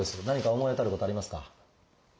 何か思い当たることありますか？